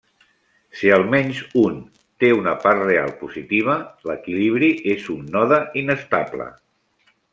Si almenys un té una part real positiva, l'equilibri és un node inestable.